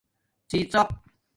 ڎی ڎاپ